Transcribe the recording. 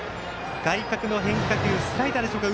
外角の変化球スライダーでしょうか。